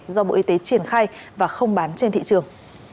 do bộ y tế triển khai và không bán trên thị trường